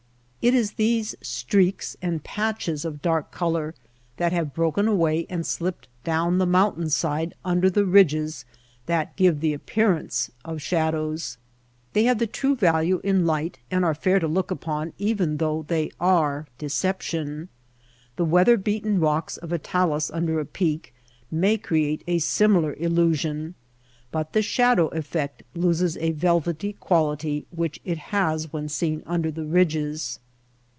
It is these streaks and patches of dark color that have broken away and slipped down the mountain side under the ridges that give the appearance of shadows. They have the true value in light, and are fair to look upon even though they are deception. The weather beaten rocks of a talus under a peak may create a similar illusion, but the shadow effect loses a velvety quality which it has when seen under the ridges.